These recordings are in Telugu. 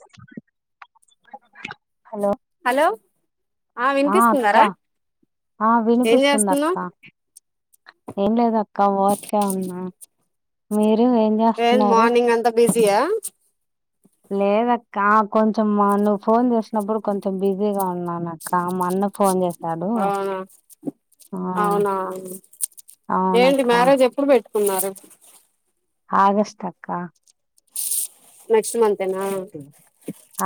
[inaudible] హలో హలో ఆ వినిపిస్తుందా రా ఆ వినిపిస్తుందక్క ఏం లేదు అక్క ఉర్కే ఉన్నా మీరు ఏం ఏంది చేస్తున్నారు మార్నింగ్ అంతా బిజీ యా లేదక్క కొంచం మా నువ్వు ఫోన్ చేసినప్పుడు కొంచెం బిజీగా ఉన్నాన అక్క మోన్న ఫోన్ చేస్త ఆ అవునా ఏంది అవునక్క మ్యారేజ్ ఎప్పుడు పేట్ కున్నారు. ఆగస్ట్ అక్క. నెక్స్ట మంత్ ఎన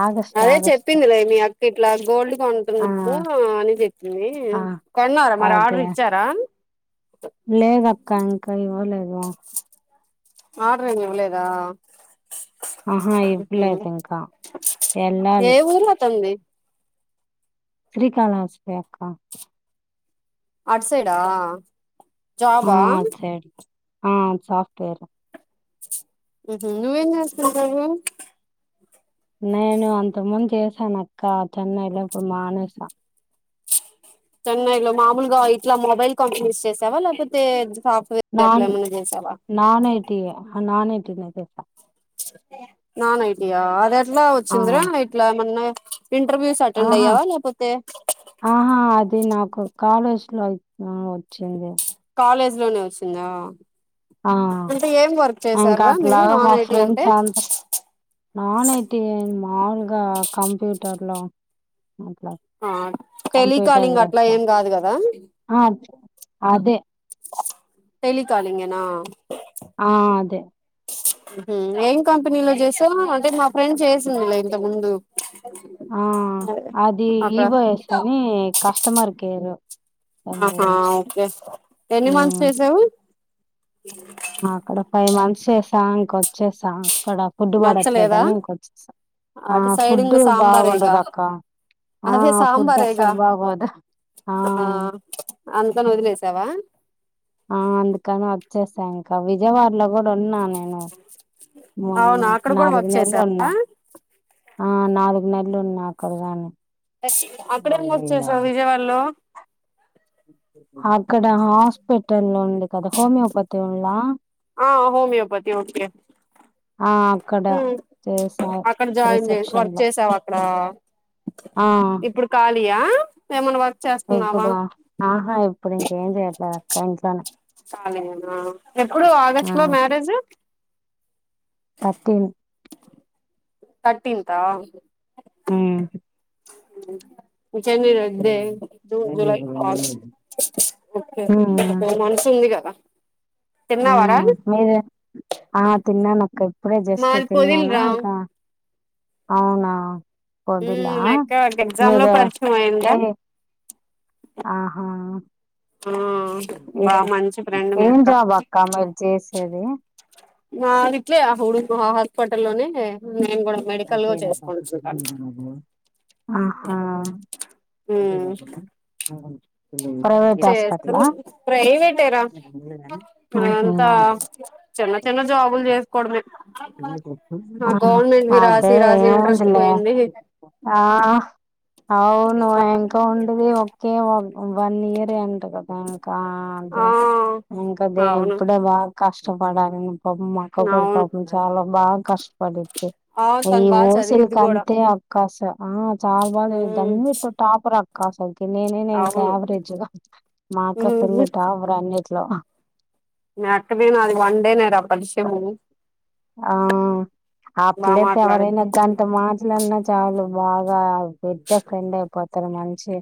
ఆగస్ట్ అదే ఆగస్ట్ చెప్పిందిలే మీ అక్క ఇట్లా గోల్డ్ ఆ కొంటున్నాము అని చెప్పింది. ఆ కోన్నారా మరి అదే ఆర్డర్ ఇచ్చారా. లేదక్క ఇంకా ఇవ్వలేదు. ఆర్డర్ ఏమి ఇవ్వలేదా. ఆహా ఇవ్వలేదు ఇంకా ఏ వెళ్ళాలి ఊరు అతనిది. శ్రీకాళహస్తి అక్క. అటు సైడ్ ఆ జాబ్ ఆ ఉమ్ సాఫ్ట్ వేర్. ఉహు నువ్వేం చేస్తున్నావ్ నేను అంతకు ముందు చేసాను అక్క చెన్నైలో ఇప్పుడు మానేసా. చెన్నైలో మామూలుగా ఇట్లా మొబైల్ కంపెనీస్ చేసావా లేకపోతే సాఫ్ట్వేర్ అట్లా నాన్ ఏమన్నా చేసావా నాన్ ఐటీ నాన్ ఐటీ లో చేసా నాన్ ఐటి ఆ అది ఎట్లా ఆ వచ్చిందరా ఇట్లా ఎమన్న ఆహా ఆహా అది నాకు ఒక కాలేజ్ లో అయితే వచ్చింది. కాలేజ్ లోనే వచ్చిందా. ఆ అంటే ఏం వర్క్ చేసారూ ఇంకా రా మీరు అట్లాగా మా నాన్ ఐటి అంటే ఫ్రెండ్స్ అందరు నాన్ ఐటీ మాముూలుగా కంప్యూటర్లో ఆ కంప్యూటర్ టెలికాలింగ్ అట్లా వర్కు ఏం కాదు కదా ఆ అదే టెలి కాలింగేనా ఆ అదే ఏం కంపెనీలో చేసావ్ అంటే మా ఫ్రెండ్ చేసిందిలే ఇంతకు ముందు ఆ అది అక్కడ ఇఓయస్ అని కస్టమర్ కేరు ఆ హా ఓకే ఎన్ని మంత్స్ చేశావు అక్కడ ఫైవ్ మంత్స్ చేసా ఇంక వచ్చేసా అక్కడ ఫుడ్ నచ్చలేదా పడట్లేదని ఇంకొచ్చేసా ఆ అటు సైడ్ ఇంగ ఫుడ్ సాంబారేగా బాగుండదు అక్క ఆ అదే ఫుడ్ సాంబారేగా అస్సలు బాగోదు ఆ అందుకని వదిలేసావా ఆ అందుకని వచ్చేసా ఇంకా విజయవాడలో కూడా ఉన్నా నేను మొన్న అవునా అక్కడ కూడా నాలుగు వర్క్ నెలలు చేసావా ఉన్నా ఆ నాలుగు నెలలు ఉన్నా అక్కడ గాని అక్కడేం నాలుగు వర్క్ నెలలా చేసావ్ విజయవాడలో అక్కడ హాస్పిటల్ ఉంది కదా హోమియోపతి ఉండ లా ఆ హోమియోపతి ఓకే ఆ అక్కడ ఊ చేసా అక్కడ జాయిన్ చే రిసెప్షన్ వర్క్ లో చేసావ అక్కడ ఆ ఇప్పుడు ఖాళీ యా ఏమన్నా వర్క్ చేస్తున్నావా ఇప్పుడు ఆహా ఇప్పుడు ఇంకేం చెయట్లేదు అక్క ఇంట్లోనే ఖాళీ యేన ఎప్పుడు ఆ ఆగస్టు లో మ్యారేజ్ తర్టీన్ తర్టీన్తా ఉమ్ ఇంకెన్ని డేస్ లే జూన్ జులై ఆస్టు ఓకే ఒకే ఉమ్ టూ మంత్స్ ఉంది కదా తిన్నవారా మీరెం ఆ తిన్నాను అక్క ఇప్పుడే జస్ట్ మాది పొదిల్ తిన్నాను రా ఇంకా అవునా పోదిలా హ్మ్ ఆ మా యక్క ఒక ఎగ్జామ్ లో మీద పరిచయం ఏ అయిందా ఆహా ఊ ఏ బా మంచి ఫ్రెండ్ మీ ఏం అక్క జాబ్ మీరు చేసేది నావిట్లే హడు హాస్పిటల్ లోనే నేను కూడా మెడికల్ గా చేసుకుంటుంటాను ఆహ నువ్వే ఉమ్ గానికి దాని ప్రైవేట్ చేస్తూ హాస్పిటల్ ఆహా ప్రైవేటేరా మనమంతా చిన్న చిన్న జాబులు చేసుకోవడమే ఆ అవునా గవర్నమెంట్వి అదే రాసి రాసి ఇంట్రెస్ట్ ఏముందిలే పోయింది ఆ అవును ఇంకా ఉండది ఒక్కే ఒక వన్ ఇయరే అంట కదా నాకు కా అంతే ఆ ఇంకా దే అవును ఇప్పుడే బాగా కష్టపడాలి పాపం మా అక్క కూడా అవును పాపం చాలా బాగా కష్టపడుద్ది అవును ఈ తను బాగా ఓసి లు చదివిద్ది కూడా కంటే అక్క అస్ ఆ చాలా బాగా ఉమ్ చదువుతోంది ఇప్పుడు టాపర్ అక్క అసలుకి నేనైనా ఇంకా అవును యావరేజ్ గా మా అక్క ఫుల్ టాపర్ అన్నిట్లో మీ అక్కది నాది వన్డే నే రా పరిచయము ఆ బాగా పిల్లతో మాట్లాడిద్ది ఎవరైనా గంట మాట్లాడిన చాలా బాగా పెద్ద ఫ్రెండ్ అయిపోతారు మంచి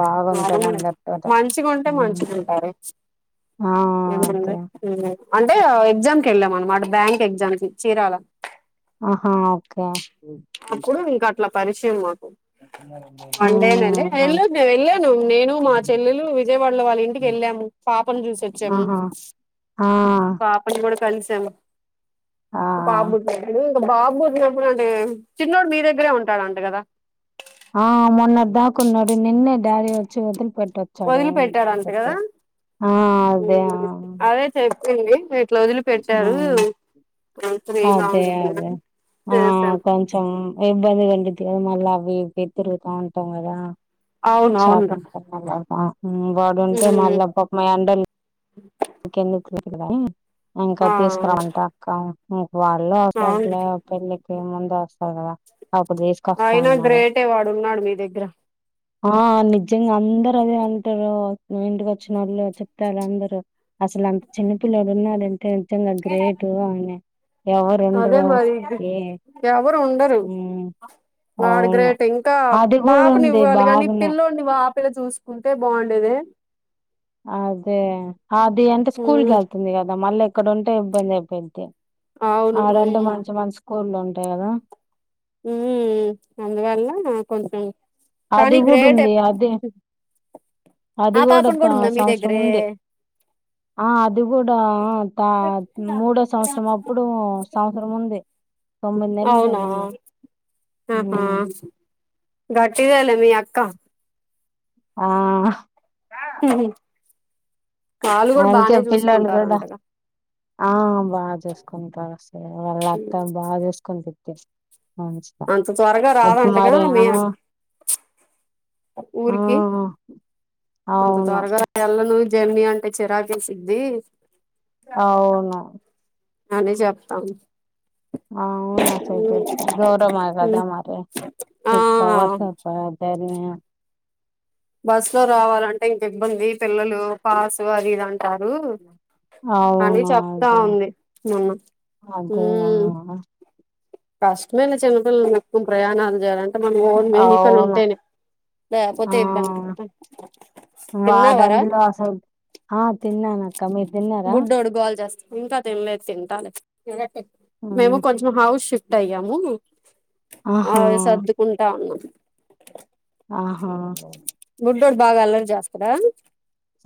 బాగుంటది అందరితోటి మంచిగా ఉంటే ఉమ్ మంచిగా ఉంటారు ఆ అదే అంటే ఎగ్జామ్ కెళ్ళమానమట బ్యాంక్ ఎగ్జామ్ కి చీరాల ఆహా ఓకే అప్పుడు ఇంకా అట్లా పరిచయం మాకు వన్ డే నేలే ఉమ్ అదే వెళ్ళాను నేను వెళ్ళను నేను మా చెల్లెలు విజయవాడలో వాళ్ళ ఇంటికి వెళ్ళాము పాపను చూసొచ్చాము ఆహా ఆ పాపని కూడా కలిసి ఆ బాబు ఇప్పుడంటే ఏం చిన్నోడు మీ దగ్గరే ఉంటాడంట కదా కొన్నోడు నిన్నే డాడీ వచ్చి వదిలిపట్ వదిలి పెట్టాడు అంత కదా ఆ అదే ఆ అదే చెప్పింది అట్లా వదిలిపెట్టరు ఉమ్, క్లోజులు ఏ అదే బాగుండదు కద అదే ఆ కొంచెం ఇబ్బంది కండిదిద మళ్ళీ అవి ఇవి తిరుగుతా ఉంటాం కదా అవును అవును షాపింగ్ బడు ఉంటే మ్మ్ మళ్ళీ పాపం మా అండ ఇంకెందు తిపిల ఇంకా ఆ తీసుకురమంట అక్క వాళ్ళు అవును వస్తారులే పెళ్ళికి ముందు వస్తారు కదా అప్పుడు తీసుకొస్తా అయినా అన్నారు గ్రేటే వాడు ఉన్నాడు మీ దగ్గర ఆ నిజంగా అందరు అదే అంటారు ఇంటికి వచ్చిన వాళ్ళు చెప్తారు అందరు అస్సలు అసలు అంత చిన్న పిల్లలు ఉన్నారంటే నిజంగా గ్రేటు ఆమె అదే మరి ఇది ఎవరు ఉండరు ఉమ్ ఆడ్ అవును గ్రేట్ ఇంకా అది కూడా పాపని ఉంది ఇవ్వాలి కానీ బాగానే పిల్ల్లోడిని వా పిల్ల చూసుకుంటే బాగుండేది అదేహాది అంటే స్కూల్కి మ్మ్ ఎళ్తుంది కదా మళ్ళీ ఇక్కడుంటే ఇబ్బంది అయిపోయిద్ది అవును ఆడంటే మ్మ్ మంచి మంచి స్కూళ్లు ఉంటాయి కదా ఉ ఊ అందువల్ల కొంచెం అది కానీ గ్రేటే గూడుంది అదే అది ఆ గూడా పాపను త కూడా ఉందా మీ సంవత్సరం దగ్గరే ఉంది ఆ అది గూడా త మూడో సంవత్సరం అప్పుడు సంవత్సరం ఉంది తొమ్మిది నెలలు అవునా తగ్గుంది ఆహా గ ట్టిదేలే మీ అక్క ఆ హ ఆమెకే పిళోళ్ళు గదా ఆ బా చేసుకుంటారు అసలే వాళ్ళు అత్త బా చేసుకుంటుద్ది అంత త్వరగా రాదంటగా మీ ఆ [inaudible] ఆ ఊరికి అంత అవును తరగా ఎల్లను జమ్మి అంటే చిరాకేసిద్ది అవును అని జెప్తాన్ ఆ అవునా సైగె [inaudible] మా పెద్దనాన్న మాటలే ఆ సిక్స్ అవర్స్ ఒత్తవా దాని బస్సు లో రావాలంటే ఇంక ఇబ్బంది పిల్లలు పాసు అది ఇదం టారు అని అవును చెప్తా ఉంది నిన్ను అగో అన్నాను కష్టమేలే చిన్న పిల్లలను ఎత్తుకొని ప్రయాణాలు చేయాలంటే మన ఓన్ వెహికల్ అవును ఉంటేనే లేపోతే ఆ ఇబ్బంది [inaudible] తిన్నావా రా హా తిన్నానక్క మీరు తిన్నారా బుడ్డోడు గోల చేస్తా ఇంకా తినలేదు తింటాలే మేము కొంచెం హౌస్ షిఫ్ట్ అయ్యాము అవి ఆహా సర్దుకుంటా ఉన్నాం ఆహా బుడ్డోడు బాగా అల్లరి చేస్తాడా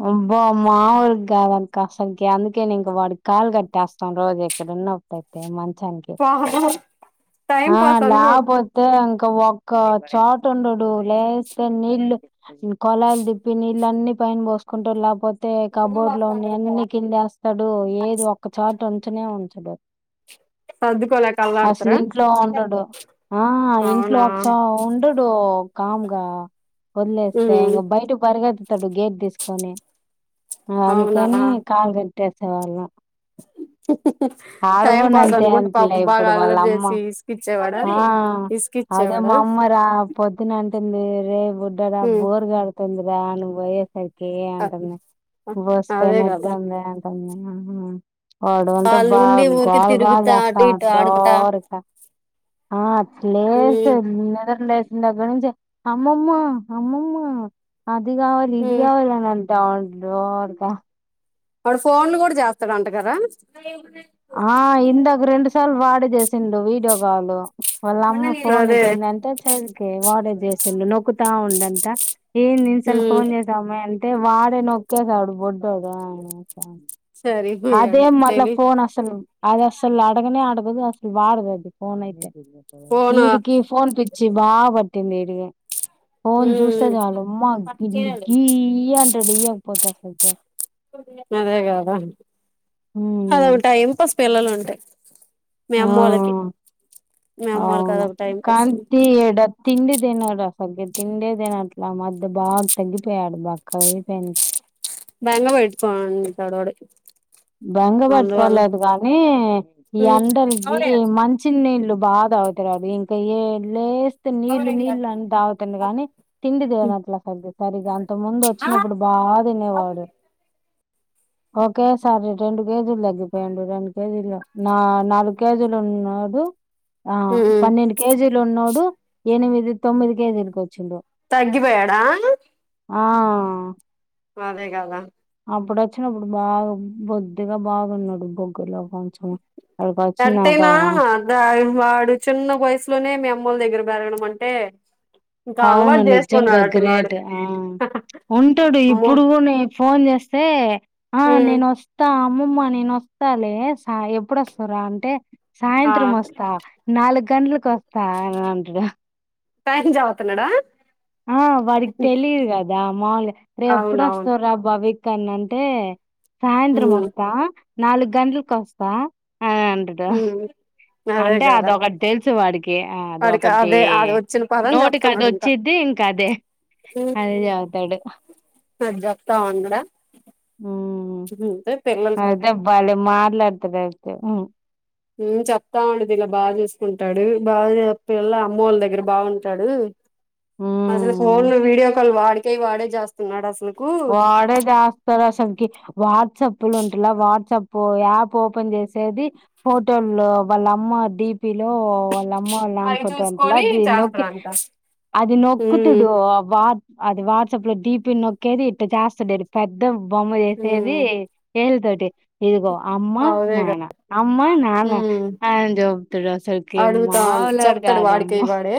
అబ్బా మామూలు కాదక్క అసలుకి అందుకే నే ఇంక వాడికి కాలు కట్టేస్తాను రోజు ఎక్కడ వినపోతే మంచానికి పాపం టైం ఆ పాస్ అనుకో లేకపోతే ఇంక్ క ఒక్క చోటుండడు లేస్తే నీళ్ళు కొలాయిలు దిప్పి నీళ్ళన్నీ పైన పోస్ కుంటాడు లేకపోతే కబోర్డ్ లోనివి అన్నీ కిందేస్తాడు ఏది ఒక్క చోట చనే ఉంచడు సర్దుకోలేక అసలు అల్లాడుతారా ఇంట్లో ఉండడు ఆ ఇంట్లో అవునా ఒకస ఉండడు కామ్ గా వదిలేస్తే ఇంగ బయటకు పరిగెత్తుతాడు గేట్ తీసుకొని అందుకని కాళ్ళు కట్టేసే వాళ్ళం అ టైం కూడా అంతే పోద్దనుకుంటే అంటలే పాపం బాగా ఇప్పుడు వాళ్ళ అల్లరి అమ్మ చేసి విసుగిచ్చేవాడా ఆ విస్ అదే మా అమ్మరా పొద్దున అన్ టుంది రే బుడ్డోడా ఉమ్ బోరు గొడుతుందిరా నువ్వు బొయ్యేసరి కే అంటంది మే అదే బోసిపోయినట్టే కదా ఉంది అంటాంది వాడు ఉంటే వాళ్ళు బాగ ఉండి ఊరికే గోల గోల తిరుగుతా జేస్తా అటు ఇటు [unintelligible] ఆడుకుంటా ఊరికా ఆ అట్లేస్తే ఉమ్ నిదర లేస్ ఇందగ్గర నుంచే అమ్మమ్మా అమ్మమ్మా అది గా ఉమ్ ఇయ్యాలనే నంటా దోడ్ దా ఆడు ఫోన్లు గూడ జేస్తడంట గదా ఆ ఇందాక రెండు సార్లు వాడే జేసిండు వీడియో కాలు వాళ్ళ అమ్మ ఫోన్ అదే ఇచ్చింది అంటే చేదికి వాడే జేసిండు నొక్కుతా ఉండంట ఏంద్ ఇన్సల్ ఉమ్ ఫోన్ జేసావ్ మి అంటే వాడే నొక్కేసాడు బొడ్డాడు ఆ అదే సరిపోయాడు మళ్ళ తెలి ఫోన్ అసలు అది అసలు అడగనే అడగదు అసలు వాడదు అది ఫోన్ అయితే ఫోను ఈడికి ఫోన్ పిచ్చి బా బట్టింది ఈడికి ఫోన్ జూస్తే జాలు అమ్మా గిల్లి గీ అంటది ఇయ్యక్పోతే అస్సల్ కే అదే గదా ఉమ్, అదొక టైం పాస్ పిల్లలు ఉంటే మీ అమ్మోళకి ఆ అవును కాంతి ఈడ తిండి దినడస తగ్గ తిండేదినిట్లా మధ్య బాగ్ తగ్గిపొయాడు బక్కగ అయిపోయింది భెంగ వెట్కోనుంటడు వాడు బెంగ అందువల్ల బెట్టుకోలేదు గానీ ఈ ఎండల్కీ మంచి నీళ్ళు బాగవుతది ఇంక ఏడ్లేస్ తె నీళ్ళు నీళ్లు అని తాగుతుండు గాని తిండి దినమట్ల సగ్గ సరిగ్గ అంత ముందు వచ్చినప్పుడు బా ఆ దినేవాడు ఓకేస్ సారి రెండు కేజీలు తగ్గిపోయిండు రెండు కేజీలు నా నాలుగు కేజీలు ఉన్నాడు ఆ పన్నెండు కేజీలు ఉన్నోడు ఎనిమిది తొమ్మిది కేజీలకి ఒచ్చిండు తగ్గిపోయాడా ఆ అదే గదా అప్పుడు ఒచ్చినప్పుడు బాగ బొద్దుగ బాగున్నడు గొగ్గుర్లో కొంచెం అక్కడికి వచ్చినాక ఎట్టైనా గా వాడు చిన్న వయసులోనే మీ అమ్మోల దగ్గర బెరగడమంటే అవును నిజంగ గ్రేట్ ఆ ఉంటాడు అమ్మో ఇప్పుడు గూనీ ఫోన్ చేస్తే ఆ నేను ఒస్తా అమ్మమ్మ నేను ఒస్తాలే సా ఎప్పుడొస్తావురా అంటే ఆ సాయంత్రం వస్తా నాలుగ్ కంట్లకు ఒస్తా అని అంటడు టైం జెవుతున్నడా ఆ వాడిక్ తెలీదు గదా మాములుగా రే అవునవును ఎప్పుడొస్తావుర బవి కన్ అని అంటే సాయంత్రం ఒస్తా నాలుగు గంట్లకు ఒస్తా అ అంటడు అదే అంటే కదా అదొకట్ దెల్ వాడికి అదే అది వచ్చిన పదం చెప్తున్నాడు ఇంకా నోటికదొచ్చిద్ది ఇంకదే. ఊ అదే అదే చదువుతాడు. అద్ జెప్తా ఉన్నడ హ్మ్. ఊ తెర్ అదే భలే మాట్లాడ్తడ్ అయితే ఊ ఊ చెప్తా అండి దిల్ల బాగా జూసుకుంటడు, బాగా పిల్ల అమ్మోళ్ దగ్గర బాగుంటాడు. అసలు హ్మ్. ఫోన్లు వీడియో కాల్ వాడికై వాడే జేస్తున్నాడు అసలు వాడే జేస్తాడు అసల్కి వాట్సాపుల్ ఉంటలా వాట్సాప్ పో యాప్ ఓపెన్ చేసేది ఫోటోల్లో వాళ్ళ అమ్మ డీ పి లో వాళ్ళ అమ్మ లాన్ అవి ఫోటో అంట్లా చూసుకొని నొక్కి చేస్తాడంట అది ఉమ్ నొక్కుతుడు వా అది వాట్ ప్పుడు డీపి నొక్కేది ఇట్ట చేస్తుండేది పెద్ద బొమ్మ చేసేది ఉమ్ ఏలితోటి ఇదిగో అమ్మా అవునేగా నానా అమ్మా నానా ఉమ్ అని జెప్తడు అసలికి అడుగుతా అమ్మా చెప్తాడు వాడికై వాడే